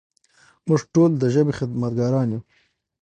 موږ ټول د ژبې خدمتګاران یو.